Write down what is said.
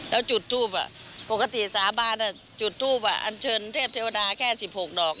แล้วจุดทูปปกติสาบานจุดทูปอันเชิญเทพเทวดาแค่๑๖ดอก